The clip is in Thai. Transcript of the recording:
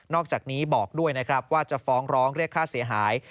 อกจากนี้บอกด้วยนะครับว่าจะฟ้องร้องเรียกค่าเสียหาย